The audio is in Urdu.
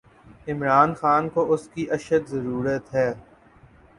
عمران خان کواس کی اشدضرورت ہے۔